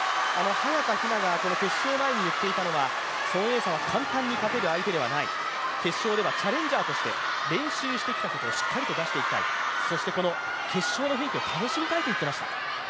早田ひなが決勝前に言っていたのは孫エイ莎は簡単に勝てる相手ではない、決勝ではチャレンジャーとして練習してきたことをしっかりと出していきたい、そしてこの決勝の雰囲気を楽しみたいと言っていました。